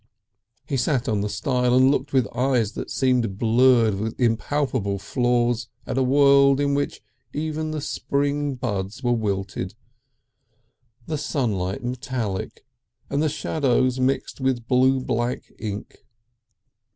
He sat on the stile, and looked with eyes that seemed blurred with impalpable flaws at a world in which even the spring buds were wilted, the sunlight metallic and the shadows mixed with blue black ink.